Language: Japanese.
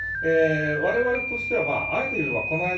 われわれとしては、あえて言えば、こないだ